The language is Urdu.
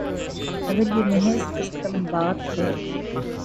اگر یہ محض استنباط ہے۔